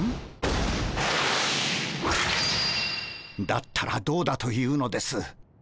だったらどうだというのです。